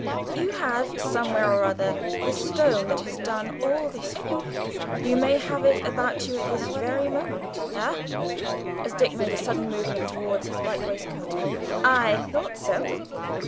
You have, somewhere or other, the Stone that has done all this for you you may have it about you at this very moment ah!" (as Dick made a sudden movement towards his white waistcoat) "I thought so!